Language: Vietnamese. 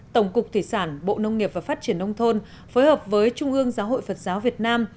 tổng cục thủy sản bộ nông nghiệp và phát triển nông thôn phối hợp với trung ương giáo hội phật giáo việt nam